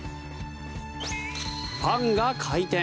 ファンが回転。